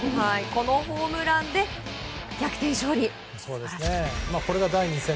このホームランで逆転勝利。